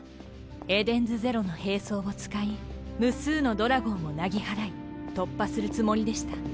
エデンズゼロの兵装を使い無数のドラゴンをなぎ払い突破するつもりでした。